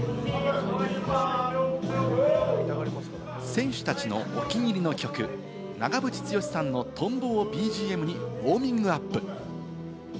選手たちのお気に入りの曲、長渕剛さんの『とんぼ』をＢＧＭにウオーミングアップ。